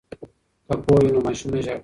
که پوهه وي نو ماشوم نه ژاړي.